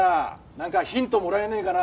なんかヒントもらえねえかな？